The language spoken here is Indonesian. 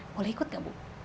boleh ikut gak bu